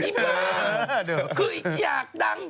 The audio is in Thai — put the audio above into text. อีบ๊ะคืออยากดัง